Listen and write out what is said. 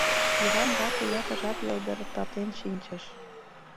Йыван вате ятыр жап йылдыртатен шинчыш.